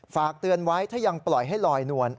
ฝากเตือนไว้ถ้ายังปล่อยให้ลอยนวล